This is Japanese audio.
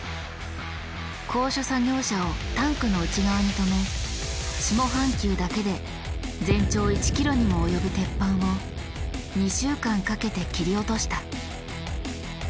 高所作業車をタンクの内側に止め下半球だけで全長１ｋｍにも及ぶ鉄板を２週間かけて切り落とした。